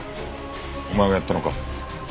お前がやったのか？